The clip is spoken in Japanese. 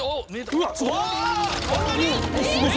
うわっすごい！